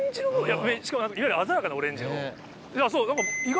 しかもいわゆる鮮やかなオレンジ色。